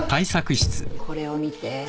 これを見て。